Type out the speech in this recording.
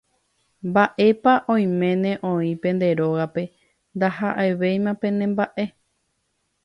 Mba'épa oiméne oĩ pende rógape ndaha'éiva penemba'e.